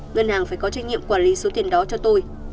ngân hàng phải có trách nhiệm quản lý số tiền đó cho tôi